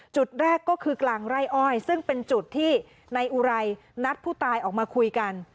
จุดแรกก็คือกลางไร่อ้อยซึ่งเป็นจุดที่นายอุไรนัดผู้ตายออกมาคุยกัน